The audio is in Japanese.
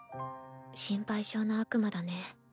心配性な悪魔だね。